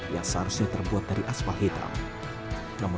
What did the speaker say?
yang seharusnya terbuat dari aspal hitam